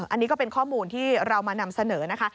อันนี้ก็เป็นข้อมูลที่เรามานำเสนอนะคะ